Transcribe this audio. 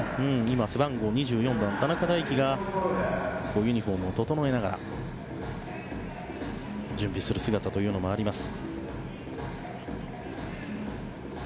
背番号２４番田中大貴がユニホームを整えながら準備する姿があります。